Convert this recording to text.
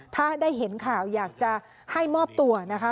ถ้าได้เห็นข่าวอยากจะให้มอบตัวนะคะ